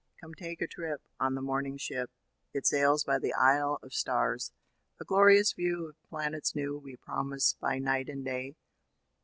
Come take a trip, on the morning Ship; It sails by the Isle of Stars. 'A glorious view of planets new We promise by night and day.